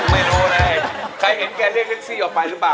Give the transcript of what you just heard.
ไม่รู้เลยใครเห็นแกเรียกแท็กซี่ออกไปหรือเปล่า